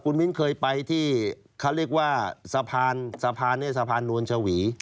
คุณวิ้นเคยไปที่เขาเรียกว่าสะพานสะพานนวลฉวี